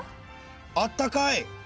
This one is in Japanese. あったかい。